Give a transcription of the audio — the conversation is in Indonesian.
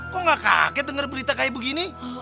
kok gak kaget dengar berita kayak begini